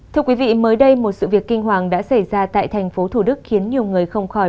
thưa quý vị mới đây một sự việc kinh hoàng đã xảy ra tại thành phố thủ đức khiến nhiều người không khỏi